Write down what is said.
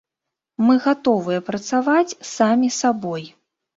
Мы гатовыя працаваць самі сабой.